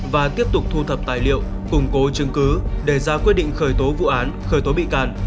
và tiếp tục thu thập tài liệu củng cố chứng cứ để ra quyết định khởi tố vụ án khởi tố bị can